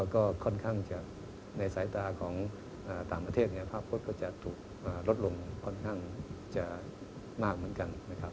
ก็ค่อนข้างในสายตาของต่างประเทศภาคพรต์จะถูกลดลงมากเกินกัน